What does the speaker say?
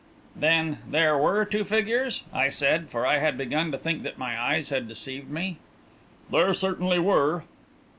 "Then there were two figures!" I said, for I had begun to think that my eyes had deceived me. "There certainly were."